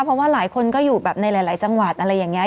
เพราะว่าหลายคนก็อยู่แบบในหลายจังหวัดอะไรอย่างนี้